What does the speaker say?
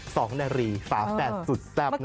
สองนาฬีฟ้าแฟนสุดแซ่บนะฮะ